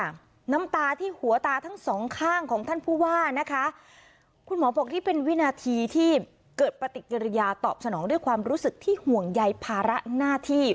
น้ำตาที่หัวตาทั้งสองข้างของท่านผู้ว่านะคะคุณหมอบอกนี่เป็นวินาทีที่เกิดปฏิกิริยาตอบสนองด้วยความรู้สึกที่ห่วงใยภาระหน้าที่